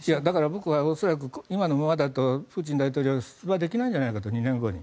僕は恐らく今のままだとプーチン大統領は２年後に出馬できないんじゃないかと。